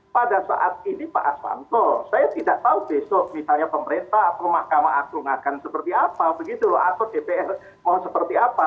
pada saat ini pak aswanto saya tidak tahu besok misalnya pemerintah atau mahkamah agung akan seperti apa begitu loh atau dpr mau seperti apa